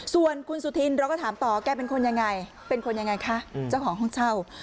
ส่วนคุณสุธินเราก็ถามต่อแกเป็นคนยังไงเป็นคนยังไงคะเจ้าของห้องเช่า